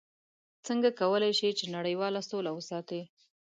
څنګه کولی شي چې نړیواله سوله وساتي؟